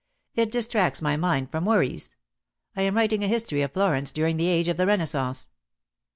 "It distracts my mind from worries. I am writing a history of Florence during the age of the Renaissance."